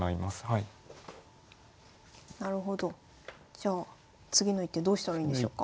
じゃあ次の一手どうしたらいいんでしょうか。